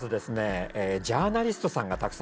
ジャーナリストさんがたくさん来るんですね。